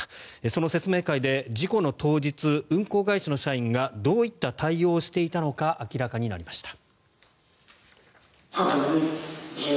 その説明会で事故の当日運航会社の社員がどういった対応をしていたのか明らかになりました。